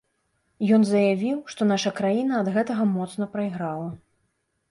Ён заявіў, што наша краіна ад гэтага моцна прайграла.